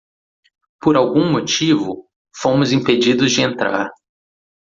Por algum motivo,? fomos impedidos de entrar.